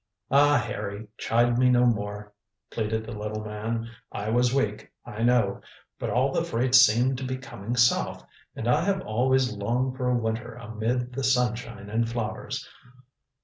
"Ah, Harry, chide me no more," pleaded the little man. "I was weak, I know, but all the freights seemed to be coming south, and I have always longed for a winter amid the sunshine and flowers.